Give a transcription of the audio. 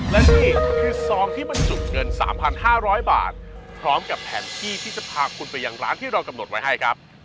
และนี่คือซองที่บรรจุเงิน๓๕๐๐บาทพร้อมกับแผนที่ที่จะพาคุณไปยังร้านที่เรากำหนดไว้ให้ครับ